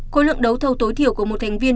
khối lượng đấu thầu tối thiểu của một thành viên